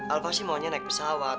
alfa sih maunya naik pesawat